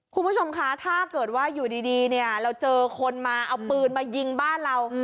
คุณผู้ชมคะถ้าเกิดว่าอยู่ดีเนี่ยเราเจอคนมาเอาปืนมายิงบ้านเรา